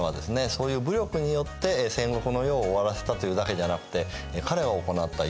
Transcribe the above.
そういう武力によって戦国の世を終わらせたというだけじゃなくて彼が行ったいろんな政策事業ですね